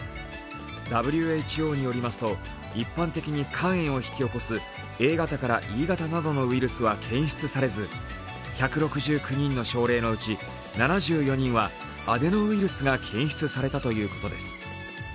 ＷＨＯによりますと、一般的に肝炎を引き起こすＡ型からＥ型のウイルスは確認されず、１６９人の症例のうち７４人はアデノウイルスが検出されたということです。